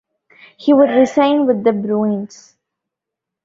He would re-sign with the Bruins.